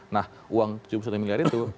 nah uang tujuh puluh satu miliar itu